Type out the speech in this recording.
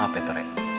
apa itu ria